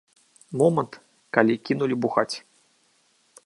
Момант, калі кінулі бухаць.